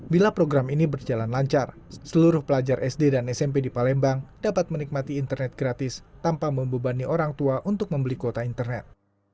bila program ini berjalan lancar seluruh pelajar sd dan smp di palembang dapat menikmati internet gratis tanpa membebani orang tua untuk membeli kuota internet